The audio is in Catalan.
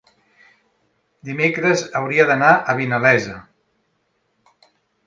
Dimecres hauria d'anar a Vinalesa.